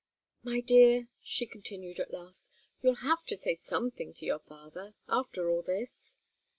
"My dear," she continued, at last, "you'll have to say something to your father, after all this."